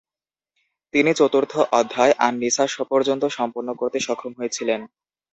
তিনি চতুর্থ অধ্যায় আন-নিসা পর্যন্ত সম্পন্ন করতে সক্ষম হয়েছিলেন।